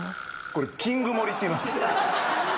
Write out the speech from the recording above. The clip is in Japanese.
これキング盛りっていいます。